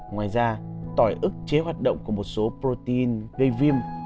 ngoài ra tỏi ức chế hoạt động của một số protein gây viêm